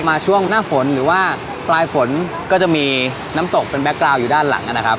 ช่วงหน้าฝนหรือว่าปลายฝนก็จะมีน้ำตกเป็นแก๊กกราวอยู่ด้านหลังนะครับ